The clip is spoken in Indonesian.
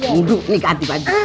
ngunduk nih keanti baju